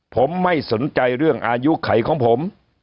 ผมไม่สนใจเรื่องอายุไขของผม